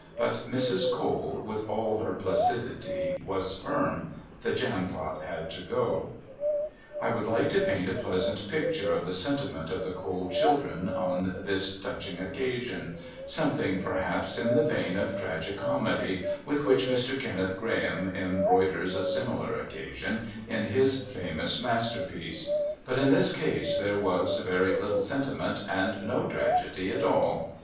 But Mrs. Cole, with all her placidity, was firm. The Jampot had to go. I would like to paint a pleasant picture of the sentiment of the Cole children on this touching occasion; something, perhaps, in the vein of tragi comedy with which Mr. Kenneth Graham embroiders a similar occasion in his famous masterpiece but in this case there was very little sentiment and no tragedy at all.